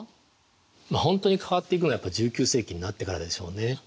本当に変わっていくのはやっぱ１９世紀になってからでしょうね。